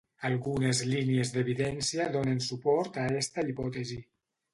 Algunes línies d'evidència donen suport a esta hipòtesi.